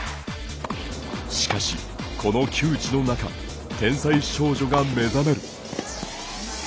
しかし、この窮地の中天才少女が目覚める。